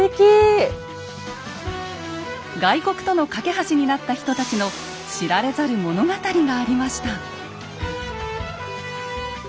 外国との懸け橋になった人たちの知られざる物語がありました。